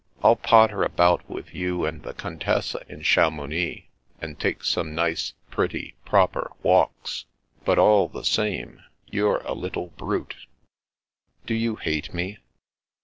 " I'll potter about with you and the Contessa in Chamounix, and take some nice, pretty, proper walks. But all the same, you're a little brute." Do you hate me?"